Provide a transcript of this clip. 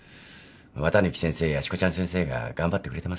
綿貫先生やしこちゃん先生が頑張ってくれてますから。